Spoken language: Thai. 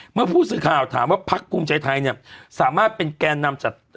เมื่อผู้สื่อข่าวถามว่าพักภูมิใจไทยเนี่ยสามารถเป็นแกนนำจัด